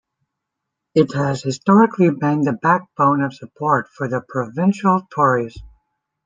It has historically been the backbone of support for the provincial Tories.